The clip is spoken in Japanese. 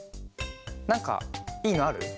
なんかいいのある？